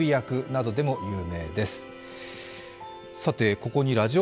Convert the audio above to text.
ここにラジオ